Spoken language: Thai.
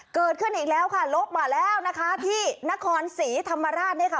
เกิดขึ้นอีกแล้วค่ะลบมาแล้วนะคะที่นครศรีธรรมราชเนี่ยค่ะ